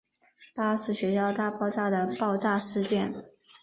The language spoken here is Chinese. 巴斯学校大爆炸的爆炸事件。